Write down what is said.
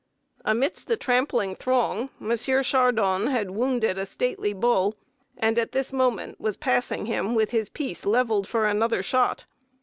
Amidst the trampling throng Mons. Chardon had wounded a stately bull, and at this moment was passing him with his piece leveled for another shot.